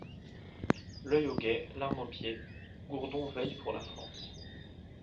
L’œil au guet, l’arme au pied, Gourdon veille pour la France.